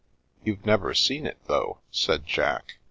" You've never seen it, though," said Jack.